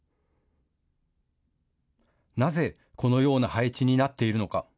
なぜ、このような配置になっているのか。